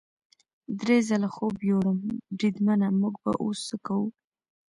درې ځله خوب یووړم، بریدمنه موږ به اوس څه کوو؟